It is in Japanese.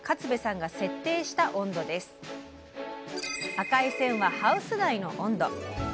赤い線はハウス内の温度。